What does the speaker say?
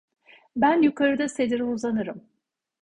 Ben yukarıda sedire uzanırım!